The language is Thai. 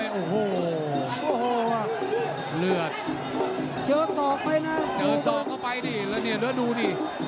โอ้โหเลือดเจอศอกไปนะเจอศอกเข้าไปนี่แล้วเนี่ยแล้วดูดิ